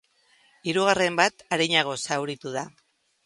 Hirugarren bat arinago zauritu da.